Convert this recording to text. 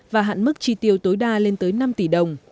và hạn mức chi tiêu tối đa lên tới năm tỷ đồng